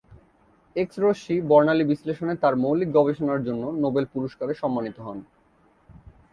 এক্স-রশ্মি বর্ণালী বিশ্লেষণে তার মৌলিক গবেষণার জন্য নোবেল পুরস্কারে সম্মানিত হন।